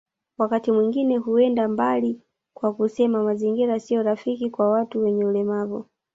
Wakati mwingine huenda mbali kwa kusema mazingira sio rafiki kwa watu wenye ulemavu